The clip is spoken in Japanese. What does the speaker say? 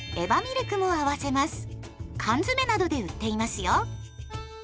缶詰などで売っていますよ。